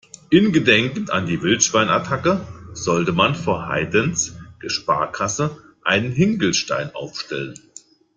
In Gedenken an die Wildschwein-Attacke sollte man vor Heides Sparkasse einen Hinkelstein aufstellen.